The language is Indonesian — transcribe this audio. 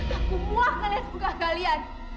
aku mau kalian sembunyikan kalian